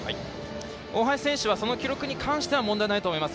大橋選手はその記録に関しては問題ないです。